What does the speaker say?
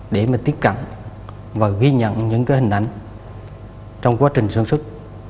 để mà tiếp cận và ghi nhận những cái hình ảnh trong quá trình sản xuất